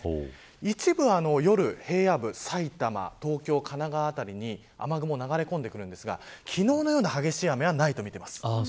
一部、夜、平野部埼玉、東京、神奈川辺りに雨雲、流れ込んでくるんですが昨日のような激しい雨はないと見ています。